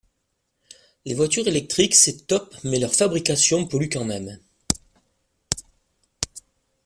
Les voitures electriques c'est top mais leur fabrication pollue quand même.